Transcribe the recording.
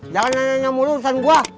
jangan nyanyi nyamu lu pesan gue